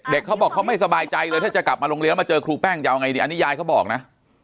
เขาบอกเขาไม่สบายใจเลยถ้าจะกลับมาโรงเรียนแล้วมาเจอครูแป้งจะเอาไงดีอันนี้ยายเขาบอกนะ